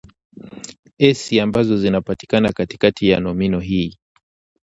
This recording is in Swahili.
"s" ambazo zinapatikana katikati ya nomino hii